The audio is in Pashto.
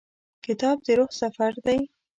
کتاب د روح سفر دی.